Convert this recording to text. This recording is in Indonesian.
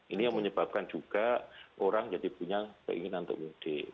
ini yang menyebabkan juga orang jadi punya keinginan untuk mudik